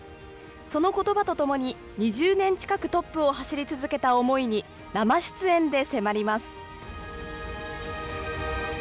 そのことばとともに、２０年近くトップを走り続けた思いに生出演で迫ります。